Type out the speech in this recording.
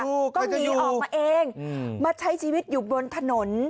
ต้องหนีออกมาเองมาใช้ชีวิตอยู่บนถนน